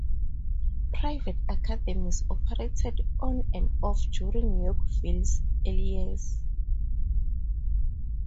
Private academies operated on and off during Yorkville's early years.